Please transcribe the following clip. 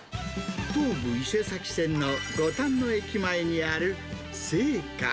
東武伊勢崎線の五反野駅前にある正華。